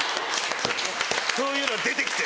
そういうの出てきて。